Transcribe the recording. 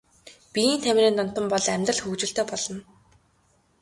Биеийн тамирын донтон бол бол амьдрал хөгжилтэй болно.